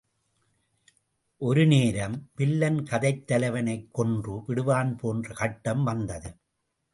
ஒரு நேரம், வில்லன் கதைத் தலைவனைக் கொன்று விடுவான் போன்ற கட்டம் வந்தது.